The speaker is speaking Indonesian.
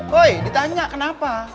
woy ditanya kenapa